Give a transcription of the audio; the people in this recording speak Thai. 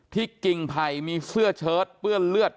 กิ่งไผ่มีเสื้อเชิดเปื้อนเลือด